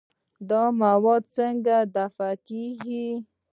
دا مواد څنګه دفع کېږي؟